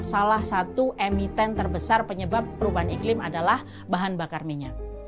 salah satu emiten terbesar penyebab perubahan iklim adalah bahan bakar minyak